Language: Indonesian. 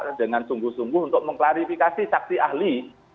saya minta dengan sungguh sungguh untuk mengklarifikasi saksi ahli